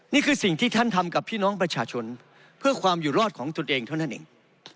นี่คือสิ่งที่ท่านทำกับพี่น้องประชาชนเพื่อความอยู่รอดของตนเองเท่านั้นเอง